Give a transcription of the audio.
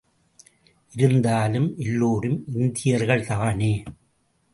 இருந்தாலும், எல்லோரும் இந்தியர்கள் தானே.